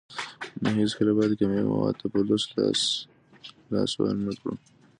نه هیڅکله باید کیمیاوي موادو ته په لوڅ لاس لاس ورنکړو.